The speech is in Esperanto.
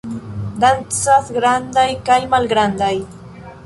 Dancas grandaj kaj malgrandaj!